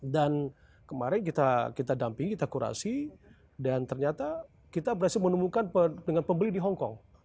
dan kemarin kita damping kita kurasi dan ternyata kita berhasil menemukan dengan pembeli di hongkong